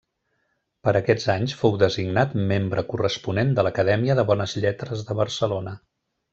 Per aquests anys fou designat membre corresponent de l'Acadèmia de Bones Lletres de Barcelona.